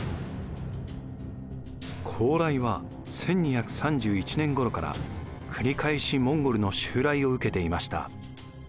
高麗は１２３１年ごろから繰り返しモンゴルの襲来を受けていました。